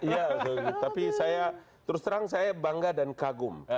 iya tapi saya terus terang saya bangga dan kagum